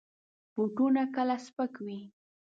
بوټونه کله سپک وي.